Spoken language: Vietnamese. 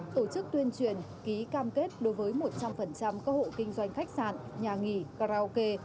tổ chức tuyên truyền ký cam kết đối với một trăm linh các hộ kinh doanh khách sạn nhà nghỉ karaoke